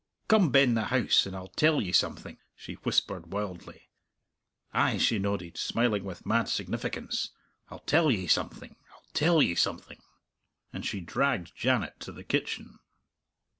Come ben the house, and I'll tell ye something," she whispered wildly. "Ay," she nodded, smiling with mad significance, "I'll tell ye something ... I'll tell ye something," and she dragged Janet to the kitchen.